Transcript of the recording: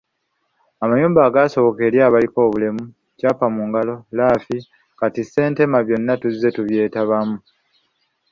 Amayumba agasoboka eri abaliko obulemu, Kyapa mungalo, Lafi, kati Ssentema byonna tuzze tubyetabamu.